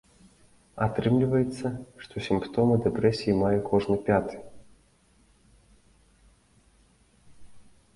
Атрымліваецца, што сімптомы дэпрэсіі мае кожны пяты.